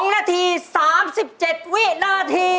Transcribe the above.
๒นาที๓๗วินาที